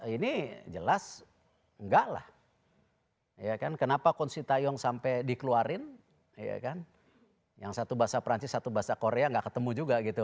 ini jelas enggak lah kenapa con sintayong sampai dikeluarin yang satu bahasa perancis satu bahasa korea nggak ketemu juga gitu